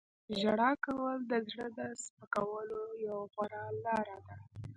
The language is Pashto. • ژړا کول د زړه د سپکولو یوه غوره لاره ده.